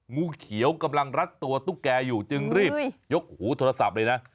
งูเขียวกำลังรัดตัวตุ๊กแกอยู่จึงรีบยกหูโทรศัพท์เลยนะ